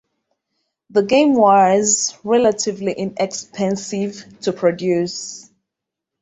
The game was "relatively inexpensive" to produce.